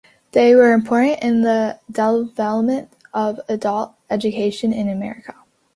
They were important in the development of adult education in America.